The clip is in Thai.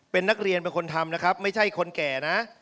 เป็นนักเรียนเป็นคนทำนะครับไม่ใช่คนแก่นะ